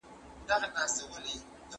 نوی درک تر پخواني هغه ډېر روښانه دی.